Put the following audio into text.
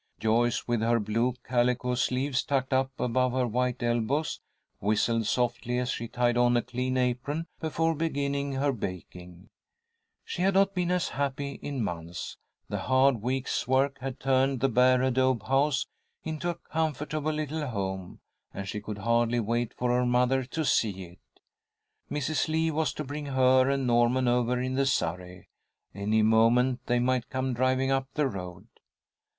Joyce, with her blue calico sleeves tucked up above her white elbows, whistled softly as she tied on a clean apron before beginning her baking. She had not been as happy in months. The hard week's work had turned the bare adobe house into a comfortable little home, and she could hardly wait for her mother to see it. Mrs. Lee was to bring her and Norman over in the surrey. Any moment they might come driving up the road.